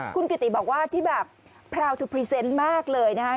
คุณกิติบอกว่าที่แบบมากเลยนะคะ